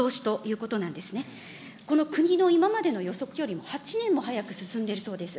この国の今までの予測よりも８年も早く進んでるそうです。